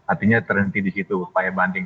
artinya terhenti di situ upaya banding